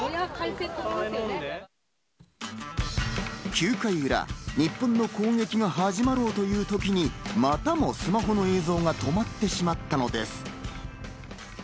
９回裏、日本の攻撃が始まろうという時に、またもスマホの映像が止まってしまったのです。